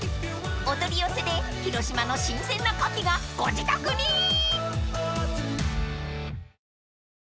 ［お取り寄せで広島の新鮮なカキがご自宅に！］